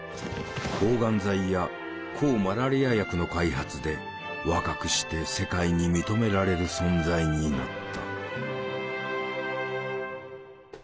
抗がん剤や抗マラリア薬の開発で若くして世界に認められる存在になった。